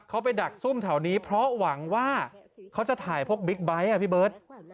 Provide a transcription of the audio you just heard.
เขาไปดักซุ่มแถวนี้เพราะหวังว่าเขาจะถ่ายพวกบิ๊กไบท์อ่ะพี่เบิร์ต